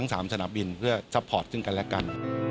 ซับพอร์ตซึ่งกันและกัน